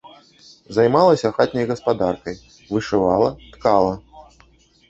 Займалася хатняй гаспадаркай, вышывала, ткала.